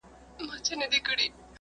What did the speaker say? په ګاونډ کي توتکۍ ورته ویله ..